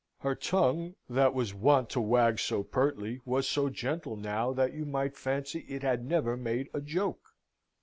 Her tongue, that was wont to wag so pertly, was so gentle now, that you might fancy it had never made a joke.